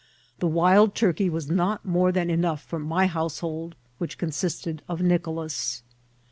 The wild turkey was not more than enough for my householdi which consisted of Nicolas.